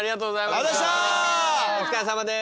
お疲れさまです。